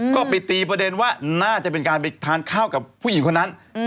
ก็ไปตีประเด็นว่าน่าจะเป็นการไปทานข้าวกับผู้หญิงคนนั้น